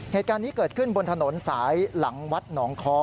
เหตุการณ์นี้เกิดขึ้นบนถนนสายหลังวัดหนองคอ